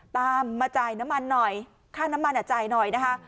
มาจ่ายน้ำมันหน่อยค่าน้ำมันจ่ายหน่อยนะคะ